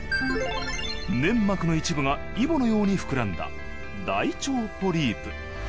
粘膜の一部がイボのようにふくらんだ大腸ポリープ。